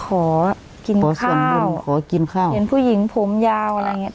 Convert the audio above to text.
ขอกินขอส่วนบุญขอกินข้าวเห็นผู้หญิงผมยาวอะไรอย่างเงี้